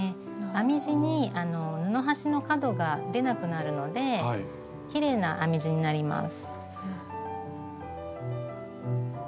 編み地に布端の角が出なくなるのできれいな編み地になります。